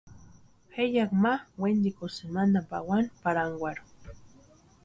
Jayaki ma wentikusïnti mantani pawani parhankwarhu.